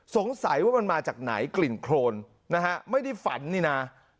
สงสัยว่ามันมาจากไหนกลิ่นโครนนะฮะไม่ได้ฝันนี่นะ